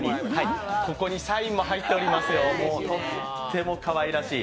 ここにサインも入っておりますよ、とってもかわいらしい。